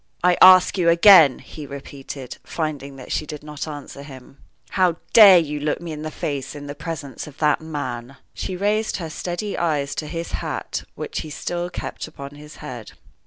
"I ask you again," he repeated, finding that she did not answer him, "how dare you look me in the face in the presence of that man?" She raised her steady eyes to his hat, which he still kept on his head.